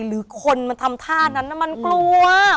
หรือคนมันทำท่านั้นมันกลัว